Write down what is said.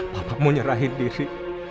papamu nyerahin diri